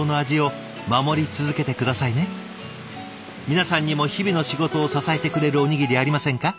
皆さんにも日々の仕事を支えてくれるおにぎりありませんか？